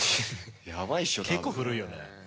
結構古いよね。